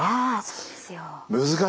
そうですよ。